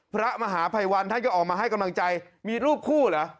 พระมหาภัยวันท่านก็ออกมาให้กำลังใจมีรูปคู่เหรอ